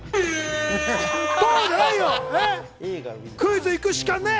クイズ行くしかねえ！